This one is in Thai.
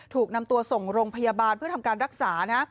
ถูกนำตัวส่งโรงพยาบาลเพื่อทำการรักษานะ